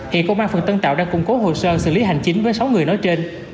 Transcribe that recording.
hiện công an phường tân tạo đang củng cố hồ sơ xử lý hành chính với sáu người nói trên